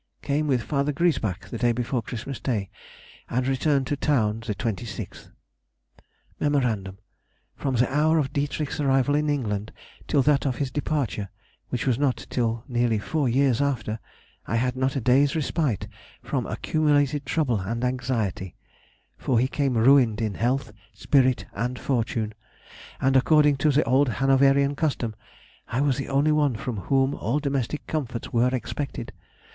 Came with Fr. Griesbach the day before Christmas Day, and returned to town the 26th. [Sidenote: 1809. Extracts from Diary.] Mem. From the hour of Dietrich's arrival in England till that of his departure, which was not till nearly four years after, I had not a day's respite from accumulated trouble and anxiety, for he came ruined in health, spirit, and fortune, and, according to the old Hanoverian custom, I was the only one from whom all domestic comforts were expected.